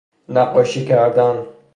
نقاشی کردن